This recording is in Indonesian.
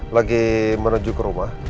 lagi menuju ke rumah